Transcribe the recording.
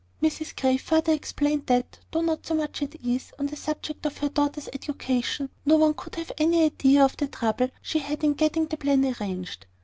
Mrs Grey further explained that, though now so much at ease on the subject of her daughters' education, no one could have an idea of the trouble she had had in getting the plan arranged.